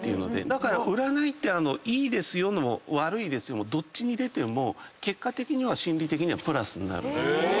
だから占いって「いいですよ」も「悪いですよ」もどっちに出ても結果的には心理的にはプラスになる。